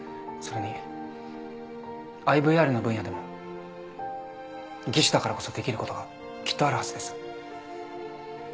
それにＩＶＲの分野でも技師だからこそできることがきっとあるはずです。